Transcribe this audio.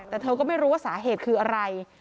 แต่เธอก็ไม่รู้ว่าสาเหตุคืออะไร